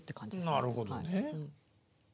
なるほどね。